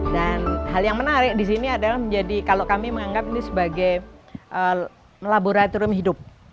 dan hal yang menarik di sini adalah menjadi kalau kami menganggap ini sebagai laboratorium hidup